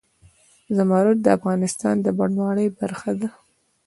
زمرد د افغانستان د بڼوالۍ برخه ده.